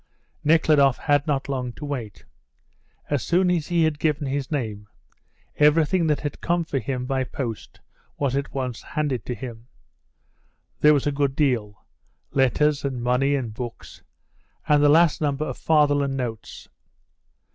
Nekhludoff had not long to wait. As soon as he had given his name, everything that had come for him by post was at once handed to him. There was a good deal: letters, and money, and books, and the last number of Fatherland Notes.